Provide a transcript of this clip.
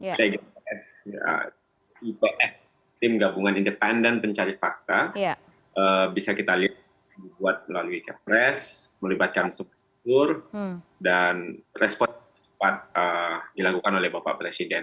kita juga ya ipex tim gabungan independen pencari fakta bisa kita lihat dibuat melalui kepres melibatkan sempurna tur dan respon cepat dilakukan oleh bapak presiden